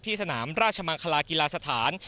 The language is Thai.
สนามราชมังคลากีฬาสถาน